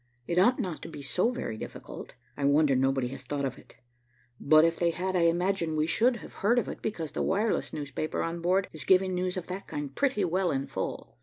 It ought not to be so very difficult. I wonder nobody has thought of it. But if they had, I imagine, we should have heard of it, because the wireless newspaper on board is giving news of that kind pretty well in full.